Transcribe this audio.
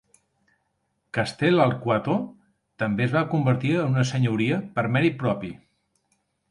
Castell'Arquato també es va convertir en una senyoria per mèrit propi.